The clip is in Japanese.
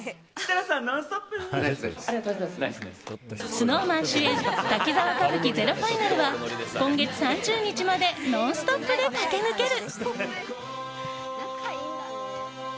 ＳｎｏｗＭａｎ主演「滝沢歌舞伎ＺＥＲＯＦＩＮＡＬ」は今月３０日までノンストップで駆け抜ける。